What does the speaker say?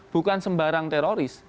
bukan sembarang teroris